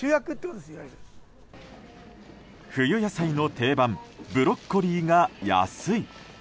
冬野菜の定番ブロッコリーが安い。